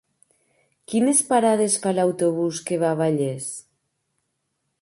Quines parades fa l'autobús que va a Vallés?